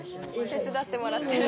手伝ってもらってる。